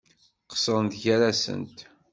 Qeṣṣrent gar-asent.